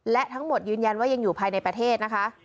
และทั้งหมดยืนยันว่ายังอยู่ภายในประเทศนะคะ